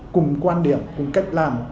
cùng quan điểm cùng cách làm